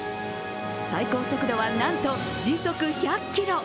最高速度はなんと時速１００ｋｍ。